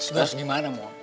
terus gue harus gimana mo